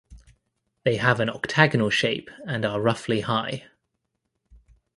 They have an octagonal shape and are roughly high.